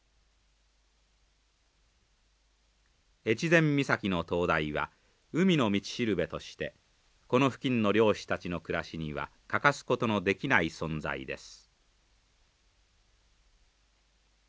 越前岬の灯台は海の道しるべとしてこの付近の漁師たちの暮らしには欠かすことのできない存在です。